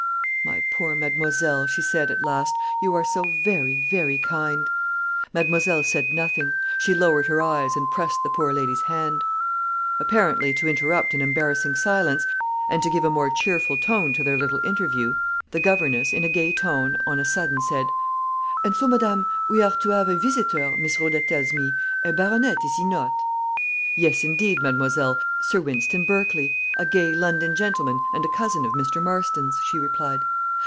"My poor mademoiselle," she said, at last, "you are so very, very kind." Mademoiselle said nothing; she lowered her eyes, and pressed the poor lady's hand. Apparently to interrupt an embarrassing silence, and to give a more cheerful tone to their little interview, the governess, in a gay tone, on a sudden said "And so, madame, we are to have a visitor, Miss Rhoda tells me a baronet, is he not?" "Yes, indeed, mademoiselle Sir Wynston Berkley, a gay London gentleman, and a cousin of Mr. Marston's," she replied.